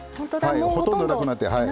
ほとんどなくなって。